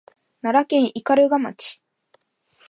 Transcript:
奈良県斑鳩町